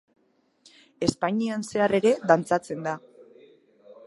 Espainian zehar ere dantzatzen da.